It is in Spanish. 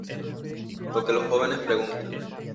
Lo que los jóvenes preguntan.